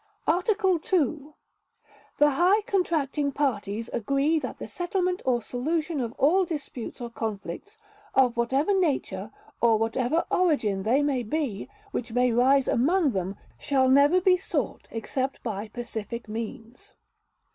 "Article II. The High Contracting Parties agree that the settlement or solution of all disputes or conflicts of whatever nature or whatever origin they may be, which may arise among them, shall never be sought except by pacific means."